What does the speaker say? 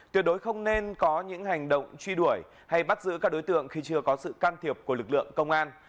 tuyệt đối không nên có những hành động truy đuổi hay bắt giữ các đối tượng khi chưa có sự can thiệp của lực lượng công an